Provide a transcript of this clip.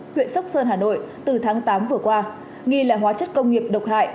huyện sóc sơn hà nội từ tháng tám vừa qua nghi là hóa chất công nghiệp độc hại